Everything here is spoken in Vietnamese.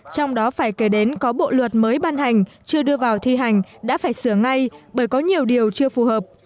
trong đó phải kể đến có bộ luật mới ban hành chưa đưa vào thi hành đã phải sửa ngay bởi có nhiều điều chưa phù hợp